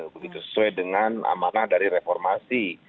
begitu sesuai dengan amanah dari reformasi